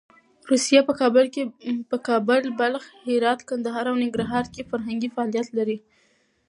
روسیه په کابل، بلخ، هرات، کندهار او ننګرهار کې فرهنګي فعالیت لري.